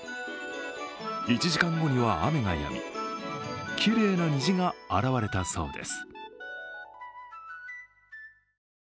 １時間後には雨がやみきれいな虹が現れたそうです。